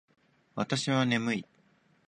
私は眠い